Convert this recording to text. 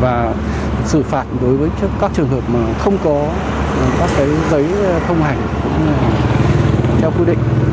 và xử phạt đối với các trường hợp mà không có các giấy thông hành cũng theo quy định